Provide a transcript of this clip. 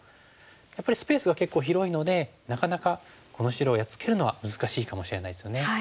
やっぱりスペースが結構広いのでなかなかこの白をやっつけるのは難しいかもしれないですよね。